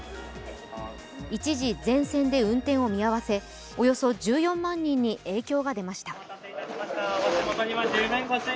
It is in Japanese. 一時、全線で運転を見合わせ、およそ１４万人に影響が出ました。